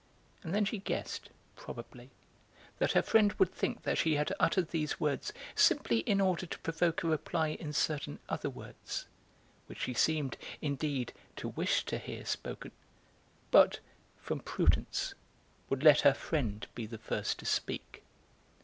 And then she guessed, probably, that her friend would think that she had uttered these words simply in order to provoke a reply in certain other words, which she seemed, indeed, to wish to hear spoken, but, from prudence, would let her friend be the first to speak.